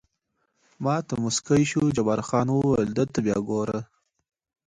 ما ته موسکی شو، جبار خان وویل: ده ته بیا وګوره.